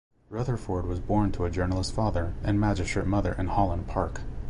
Rutherford was born to a journalist father and magistrate mother in Holland Park.